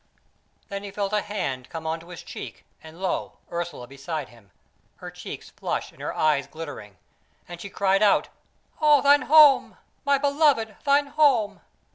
Then he felt a hand come on to his cheek, and lo, Ursula beside him, her cheeks flushed and her eyes glittering; and she cried out: "O thine home, my beloved, thine home!"